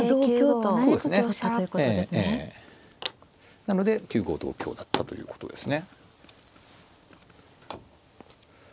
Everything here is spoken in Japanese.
なので９五同香だったということですね。